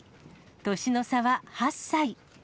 年の差は８歳。